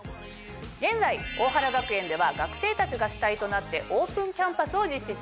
現在大原学園では学生たちが主体となってオープンキャンパスを実施中。